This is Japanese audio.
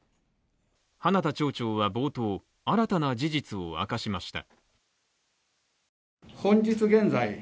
花田町長は冒頭、新たな事実を明かしました。